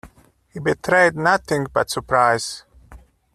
He betrayed nothing but surprise.